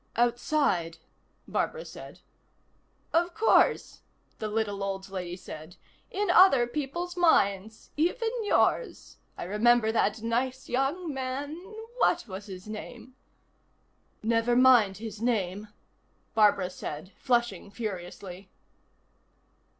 "Outside?" Barbara said. "Of course," the little old lady said. "In other people's minds. Even yours. I remember that nice young man what was his name? " "Never mind his name," Barbara said, flushing furiously.